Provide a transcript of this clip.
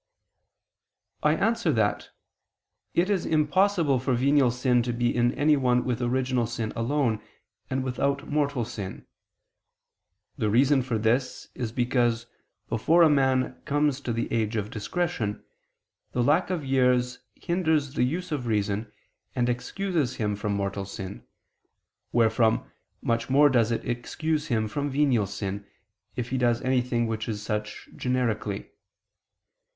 I answer that, It is impossible for venial sin to be in anyone with original sin alone, and without mortal sin. The reason for this is because before a man comes to the age of discretion, the lack of years hinders the use of reason and excuses him from mortal sin, wherefore, much more does it excuse him from venial sin, if he does anything which is such generically.